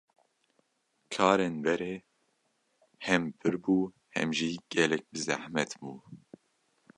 Karên berê hêm pir bû hêm jî gelek bi zehmet bû.